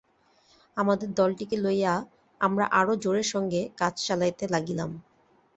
আমাদের দলটিকে লইয়া আমরা আরো জোরের সঙ্গে কাজ চালাইতে লাগিলাম।